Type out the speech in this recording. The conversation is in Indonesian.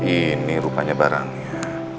ini rupanya barangnya